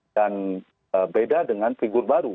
dan beda dengan figur baru